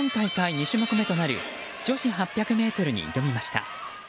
２種目めとなる女子８００ｍに挑みました。